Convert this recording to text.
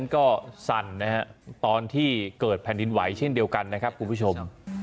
ก็สั่นนะฮะตอนที่เกิดแผ่นดินไหวเช่นเดียวกันนะครับคุณผู้ชม